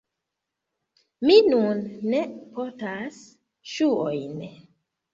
Mi nun ne portas ŝuojn